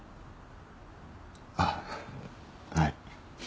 あぁはい。